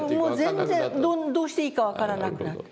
もう全然どうしていいか分からなくなった。